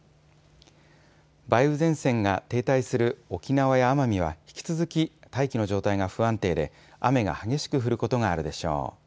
梅雨前線が停滞する沖縄や奄美は引き続き大気の状態が不安定で雨が激しく降ることがあるでしょう。